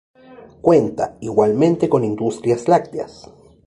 Cuenta, igualmente con industrias lácteas.